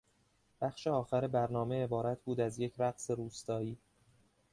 بخش آخر برنامه عبارت بود از یک رقص روستایی.